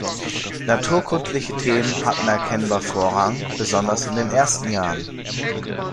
Naturkundliche Themen hatten erkennbar Vorrang, besonders in den ersten Jahren.